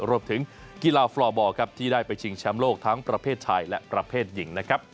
รวมถึงกีฬาฟลอบอร์ครับที่ได้ไปชิงแชมป์โลกทั้งประเภทชายและประเภทหญิงนะครับ